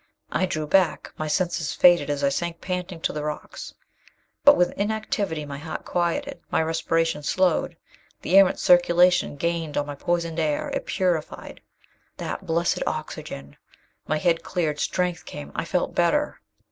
I drew back. My senses faded as I sank panting to the rocks. But with inactivity, my heart quieted. My respiration slowed. The Erentz circulation gained on my poisoned air. It purified. That blessed oxygen! My head cleared. Strength came. I felt better.